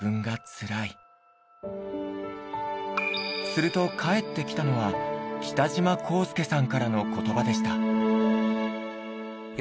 すると返ってきたのは北島康介さんからの言葉でした。